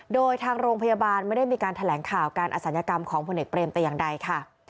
โดยทางโรงพยาบาลไม่ได้มีการแถลงข่าวการอศัลยกรรมของพลเอกเบรมแต่อย่างใดค่ะ